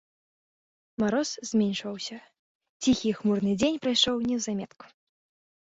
Мароз зменшваўся, ціхі і хмурны дзень прайшоў неўзаметку.